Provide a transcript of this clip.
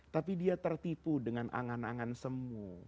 tapi dia tertipu dengan angan angan semu